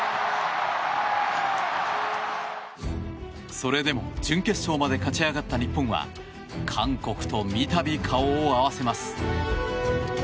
それでも準決勝まで勝ち上がった日本は韓国と三度、顔を合わせます。